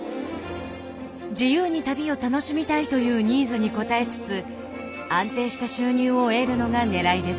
自由に旅を楽しみたいというニーズに応えつつ安定した収入を得るのがねらいです。